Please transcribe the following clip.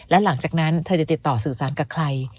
และหลังจากนั้นเธอจะติดต่อสื่อสารกับใคร